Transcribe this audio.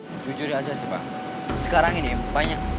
mau hidup sendirian